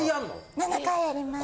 ７回やります。